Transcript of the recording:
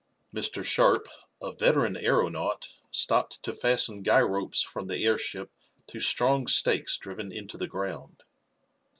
Mr. Sharp, a veteran aeronaut, stopped to fasten guy ropes from the airship to strong stakes driven into the ground.